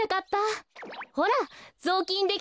ほらぞうきんできたわよ。